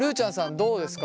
どうですか？